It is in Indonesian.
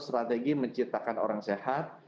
strategi menciptakan orang sehat